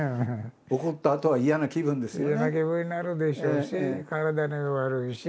怒ったあとは嫌な気分ですよね。